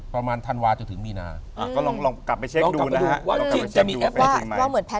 ประมาณช่วงอ่ะในช่วงก่อนเหรอคะ